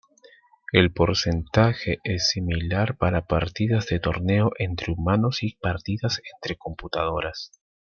El porcentaje es similar para partidas de torneo entre humanos y partidas entre computadoras.